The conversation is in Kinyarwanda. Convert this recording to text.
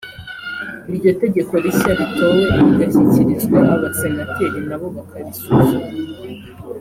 iryo tegeko rishya ritowe rigashyikirizwa abasenateri nabo bakarisuzuma